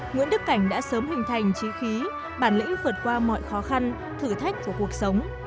nguyễn đức cảnh đã sớm hình thành trí khí bản lĩnh vượt qua mọi khó khăn thử thách của cuộc sống